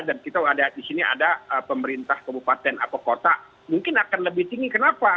dan kita ada di sini ada pemerintah kabupaten atau kota mungkin akan lebih tinggi kenapa